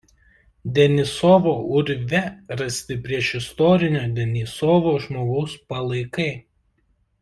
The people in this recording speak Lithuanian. Denisovo urve rasti priešistorinio Denisovo žmogaus palaikai.